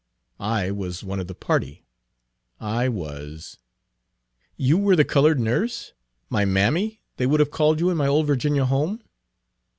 "I was one of the party. I was" Page 55 "You were the colored nurse? my 'mammy,' they would have called you in my old Virginia home?"